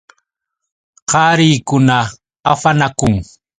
Qarikuna afanakun.